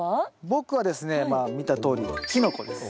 僕はですねまあ見たとおりキノコです。